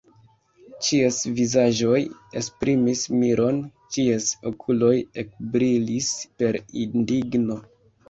Ĉies vizaĝoj esprimis miron, ĉies okuloj ekbrilis per indigno.